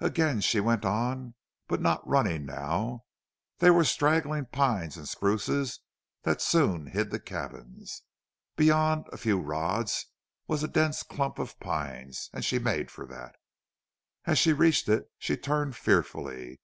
Again she went on, but not running now. There were straggling pines and spruces that soon hid the cabins. Beyond, a few rods, was a dense clump of pines, and she made for that. As she reached it she turned fearfully.